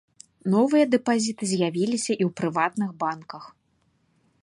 Новыя дэпазіты з'явіліся і ў прыватных банках.